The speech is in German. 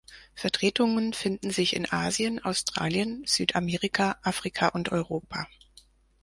Vertretungen finden sich in Asien, Australien, Südamerika, Afrika und Europa.